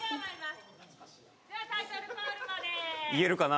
言えるかな？